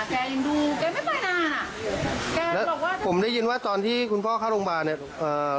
แกยังดูแกไม่ไปนานอ่ะแล้วผมได้ยินว่าตอนที่คุณพ่อเข้าโรงพยาบาลเนี่ย